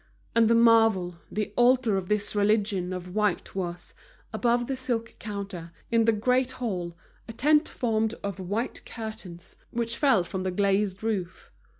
And the marvel, the altar of this religion of white was, above the silk counter, in the great hall, a tent formed of white curtains, which fell from the glazed roof.